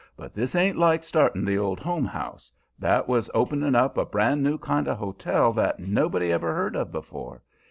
"But this ain't like starting the Old Home House. That was opening up a brand new kind of hotel that nobody ever heard of before.